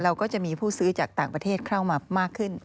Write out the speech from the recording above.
ก็จะมีผู้ซื้อจากต่างประเทศเข้ามามากขึ้น